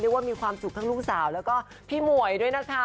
มีความสุขทั้งลูกสาวแล้วก็พี่หมวยด้วยนะคะ